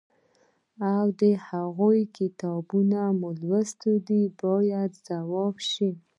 او د هغوی کتابونه مو لوستي دي باید ځواب شي.